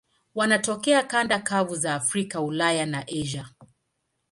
Wanatokea kanda kavu za Afrika, Ulaya na Asia.